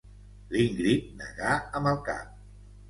L'Ingrid negà amb el cap.